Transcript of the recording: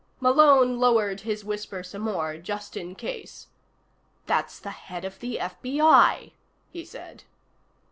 Malone lowered his whisper some more, just in case. "That's the head of the FBI," he said.